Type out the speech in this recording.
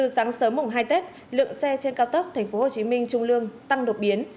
sớm mùng hai tết lượng xe trên cao tốc tp hcm trung lương tăng độc biến